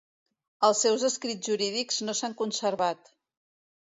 Els seus escrits jurídics no s'han conservat.